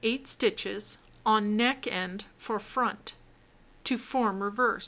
Cast on 8 stitches* on neck end for front — to form re vers.